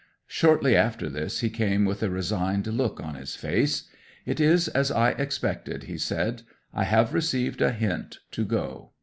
'Shortly after this he came with a resigned look on his face. "It is as I expected," he said. "I have received a hint to go.